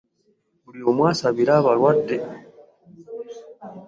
Buli omu asabire abalwadde.